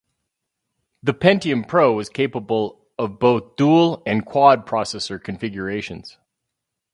The Pentium Pro was capable of both dual- and quad-processor configurations.